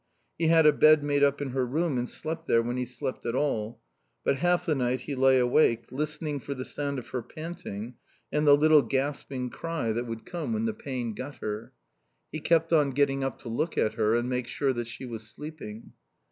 He had a bed made up in her room and slept there when he slept at all. But half the night he lay awake, listening for the sound of her panting and the little gasping cry that would come when the pain got her. He kept on getting up to look at her and make sure that she was sleeping.